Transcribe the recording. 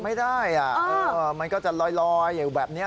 ไม่ได้มันก็จะลอยอยู่แบบนี้